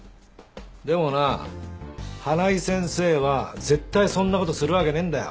でもな花井先生は絶対そんな事するわけねえんだよ。